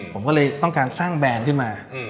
ผมก็เลยต้องการสร้างแบรนด์ขึ้นมา